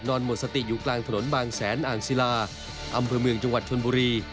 หมดสติอยู่กลางถนนบางแสนอ่างศิลาอำเภอเมืองจังหวัดชนบุรี